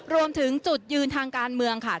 รวมถึงจุดยืนทางการเมืองค่ะ